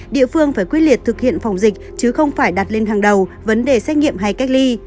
địa phương phải quyết liệt thực hiện phòng dịch chứ không phải đặt lên hàng đầu vấn đề xét nghiệm hay cách ly